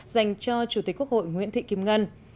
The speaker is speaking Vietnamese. dành cho chủ tịch quốc hội nguyễn thị kim ngân